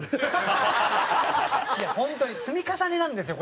本当に積み重ねなんですよ